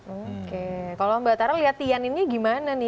oke kalau mbak tara lihat tian ini gimana nih